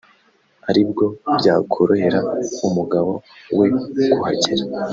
ari bwo byakorohera umugabo we kuhagera